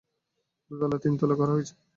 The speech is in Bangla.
দোতলা ছিল, তিনতলা করা হয়েছে।